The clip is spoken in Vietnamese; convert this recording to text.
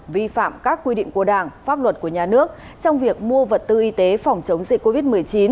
vi phạm các quy định của đảng pháp luật của nhà nước trong việc mua vật tư y tế phòng chống dịch covid một mươi chín